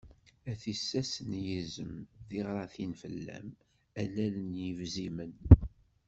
A tissas n yizem, tiɣratin fell-am, a lal n yebzimen.